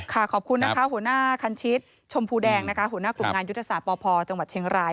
ขอบคุณนะคะหัวหน้าคันชิตชมพูแดงนะคะหัวหน้ากลุ่มงานยุทธศาสตร์ปพจังหวัดเชียงราย